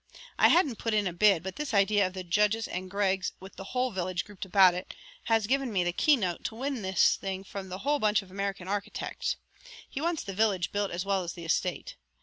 I hadn't put in a bid, but this idea of the judge's and Greg's, with the whole village grouped about it, has given me the keynote to win the thing from the whole bunch of American architects. He wants the village built as well as the estate.